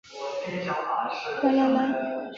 而台湾由爱胜游戏代理发行。